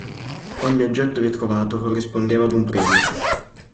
Ogni oggetto ritrovato corrispondeva ad un premio.